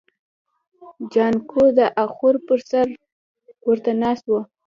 جانکو د اخور پر سر ورته ناست و.